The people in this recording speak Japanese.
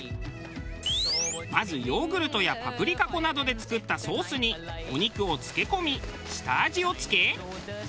まずヨーグルトやパプリカ粉などで作ったソースにお肉を漬け込み下味を付け。